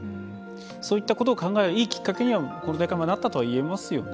そういったことを考えるいいきっかけには、この大会はなったとは言えますよね。